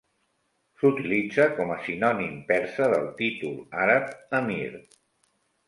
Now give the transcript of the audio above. S'utilitza com a sinònim persa del títol àrab "Amir".